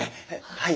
はい。